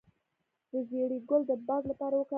د زیرې ګل د باد لپاره وکاروئ